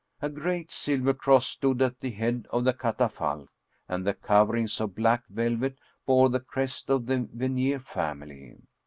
A great silver cross stood at the head of the catafalque, and the coverings of black velvet bore the crest of the Venier family.